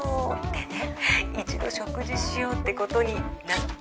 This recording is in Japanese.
でね一度食事しようってことになった。